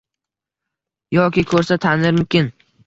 Yoki ko'rsa tanirmikin?